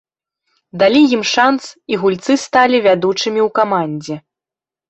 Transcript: Далі ім шанц, і гульцы сталі вядучымі ў камандзе.